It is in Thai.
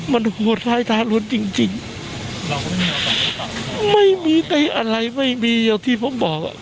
มันหัวท้ายท้าลุ้นจริงจริงไม่มีใกล้อะไรไม่มีอย่างที่ผมบอก